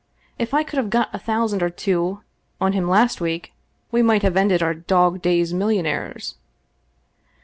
If I could have got a thousand or two on him last week, we might have ended our dog days millionaires.